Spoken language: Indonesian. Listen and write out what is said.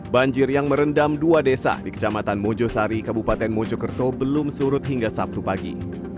banjir yang merendam dua desa di kecamatan mojosari kabupaten mojokerto belum surut hingga sabtu pagi